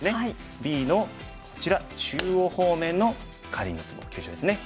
Ｂのこちら中央方面のかりんのツボ急所ですね。